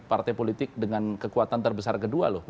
partai politik dengan kekuatan terbesar kedua loh